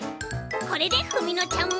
これでふみのちゃんも。